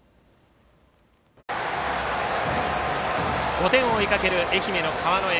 ５点を追いかける愛媛の川之江。